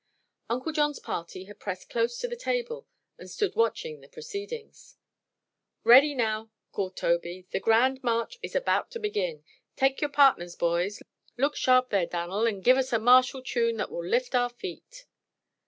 Uncle John's party had pressed close to the table and stood watching the proceedings. "Ready now!" called Tobey; "the Grand March is about to begin. Take your partners, boys. Look sharp, there, Dan'l, and give us a martial tune that will lift our feet."